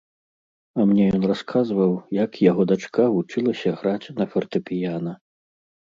А мне ён расказваў, як яго дачка вучылася граць на фартэпіяна.